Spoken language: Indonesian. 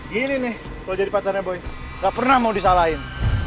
gini nih kalau jadi pacarnya boy gak pernah mau disalahin